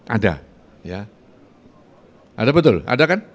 ada ya ada betul ada kan